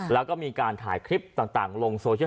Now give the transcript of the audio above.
แล้วก็มีการถ่ายคลิปต่างลงโซเชียล